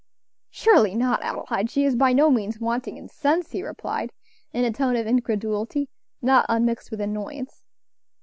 "Surely not, Adelaide; she is by no means wanting in sense," he replied, in a tone of incredulity, not unmixed with annoyance.